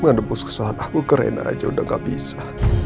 mereka menebus kesalahan aku ke rena aja udah gak bisa